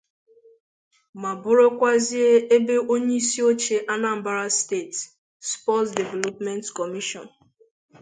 ma bụrụkwazie ebe onyeisioche 'Anambra State Sports Development Commission'